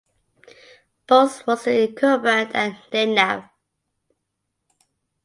Bowles was the incumbent at Nenagh.